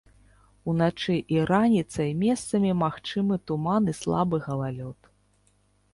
Уначы і раніцай месцамі магчымы туман і слабы галалёд.